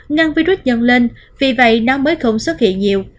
ngăn virus nhân lên vì vậy nó mới không xuất hiện nhiều